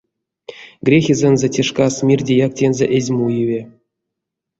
Грехезэнзэ те шкас мирдеяк тензэ эзь муеве.